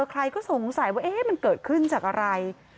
ใครก็สงสัยว่ามันเกิดขึ้นจากอะไร